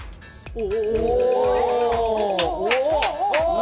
お！